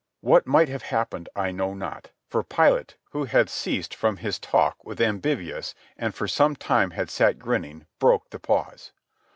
What might have happened I know not, for Pilate, who had ceased from his talk with Ambivius and for some time had sat grinning, broke the pause.